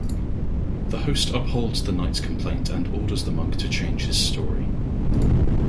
The host upholds the knight's complaint and orders the monk to change his story.